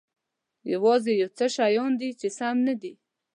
یوازې یو څه شیان دي چې سم نه دي.